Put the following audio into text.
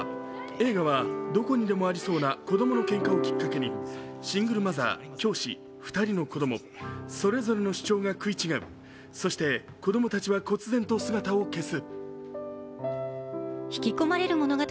映画は、どこにでもありそうな子供のけんかをきっかけにシングルマザー、教師、２人の子供それぞれの主張が食い違うそして、子供たちはこつ然と姿を消す。